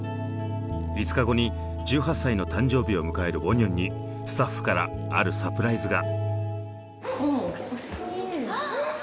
５日後に１８歳の誕生日を迎えるウォニョンにスタッフからあるサプライズが。